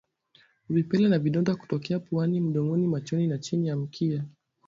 Vipele na vidonda kutokea puani mdomoni machoni na chini ya mkia